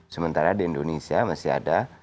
sementara di indonesia masih ada